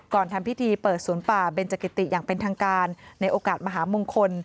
ทำพิธีเปิดสวนป่าเบนจกิติอย่างเป็นทางการในโอกาสมหามงคล